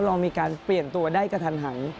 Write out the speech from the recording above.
เรามีการเปลี่ยนตัวได้กระทันหัน